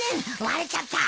割れちゃった。